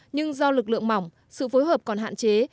nhưng do lực lượng mỏng sự phối hợp còn hạn chế